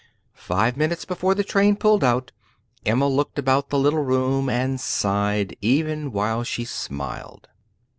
Five minutes before the train pulled out, Emma looked about the little room and sighed, even while she smiled.